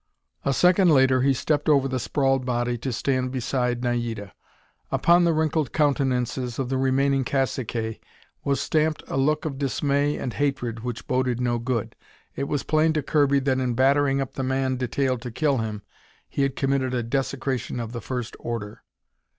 A second later he stepped over the sprawled body to stand beside Naida. Upon the wrinkled countenances of the remaining caciques was stamped a look of dismay and hatred which boded no good. It was plain to Kirby that in battering up the man detailed to kill him, he had committed a desecration of first order.